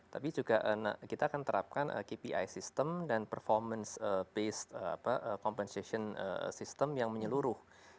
tapi juga kita akan terapkan kpi system dan performance based compensation system yang menyeluruh